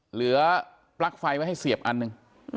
เหลือปลั๊กไฟไว้ให้เสียบอันหนึ่ง